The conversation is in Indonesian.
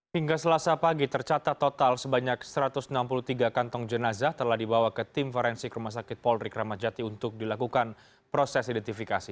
hingga selasa pagi tercatat total sebanyak satu ratus enam puluh tiga kantong jenazah telah dibawa ke tim forensik rumah sakit polri kramat jati untuk dilakukan proses identifikasi